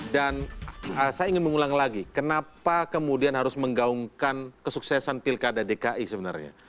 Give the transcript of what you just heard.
dan saya ingin mengulang lagi kenapa kemudian harus menggaungkan kesuksesan pilkada dki sebenarnya